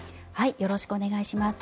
よろしくお願いします。